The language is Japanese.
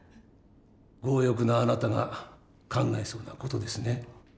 強欲なあなたが考えそうな事ですね。